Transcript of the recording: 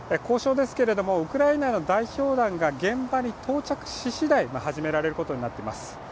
交渉ですけれどもウクライナの代表団が現場に到着し次第、始められることになっています。